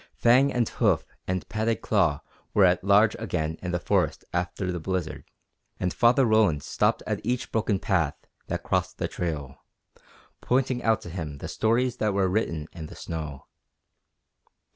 Fang and hoof and padded claw were at large again in the forests after the blizzard, and Father Roland stopped at each broken path that crossed the trail, pointing out to him the stories that were written in the snow.